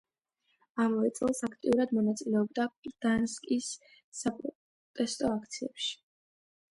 ამავე წელს აქტიურად მონაწილეობდა გდანსკის საპროტესტო აქციებში.